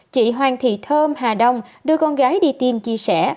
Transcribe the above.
chị hoàng thị thơm hà đông đưa con gái đi tìm chia sẻ